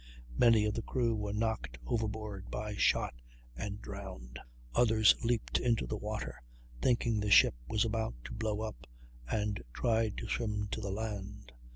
Many of the crew were knocked overboard by shot, and drowned; others leaped into the water, thinking the ship was about to blow up, and tried to swim to the land.